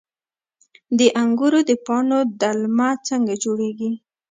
د انګورو د پاڼو دلمه څنګه جوړیږي؟